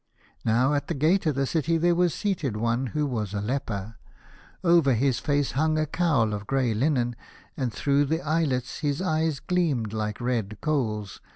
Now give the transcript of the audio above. Now at the gate of the city there was seated one who was a leper. Over his face hung a cowl of grey linen, and through the eyelets his eyes gleamed like red coals.